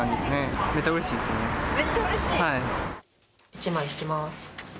１枚引きます。